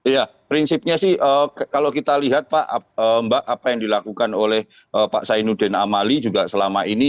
ya prinsipnya sih kalau kita lihat pak mbak apa yang dilakukan oleh pak sainuddin amali juga selama ini